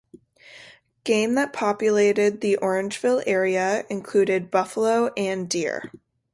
Game that populated the Orangeville area included buffalo and deer.